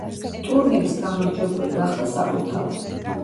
ტურნირის გამარჯვებული გახდა „საბურთალო“.